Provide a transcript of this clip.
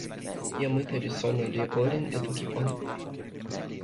jan mute li sona li olin e toki pona.